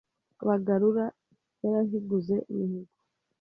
Bagarura yarahiguze Mihigo